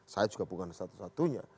saya juga bukan satu satunya